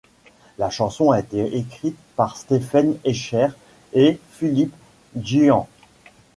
La chanson a été écrite par Stephan Eicher et Philippe Djian.